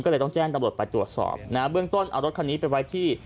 ก็เลยต้องแจ้งตำรวจไปตรวจสอบนะฮะเบื้องต้นเอารถคันนี้ไปไว้ที่